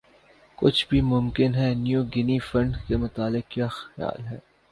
کچھ بھِی ممکن ہے نیو گِنی فنڈ کے متعلق کِیا خیال ہے